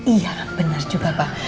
iya benar juga pak